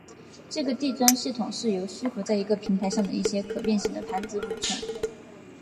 这个地砖系统是由虚浮在一个平台上的一些可变型的盘子组成。